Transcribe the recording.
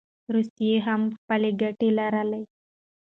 روسیه هم خپلي ګټي لري.